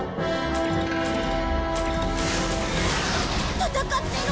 戦ってる！